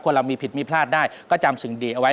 เรามีผิดมีพลาดได้ก็จำสิ่งดีเอาไว้